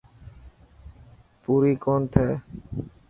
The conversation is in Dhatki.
پوري ڪوني ٿي.